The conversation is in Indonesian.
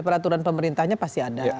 peraturan pemerintahnya pasti ada